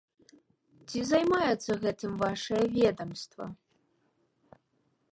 Ці займаецца гэтым вашае ведамства.